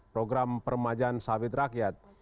program permajaan sawit rakyat